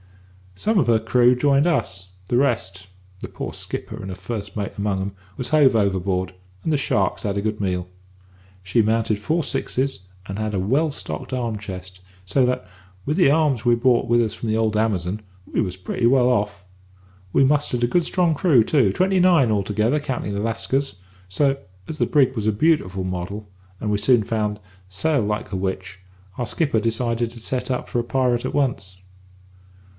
"Some of her crew joined us, the rest the poor skipper and the first mate among 'em was hove overboard, and the sharks had a good meal. She mounted four sixes, and had a well stocked arm chest, so that, with the arms we brought with us from the old Amazon, we was pretty well off. We mustered a good strong crew too twenty nine altogether, counting the Lascars so, as the brig was a beautiful model, and, we soon found, sailed like a witch, our skipper decided to set up for a pirate at once.